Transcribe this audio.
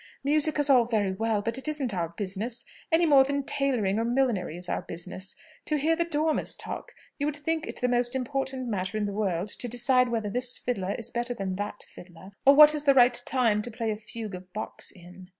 Music is all very well, but it isn't our business, any more than tailoring or millinery is our business. To hear the Dormers talk, you would think it the most important matter in the world to decide whether this fiddler is better than that fiddler, or what is the right time to play a fugue of Bach's in."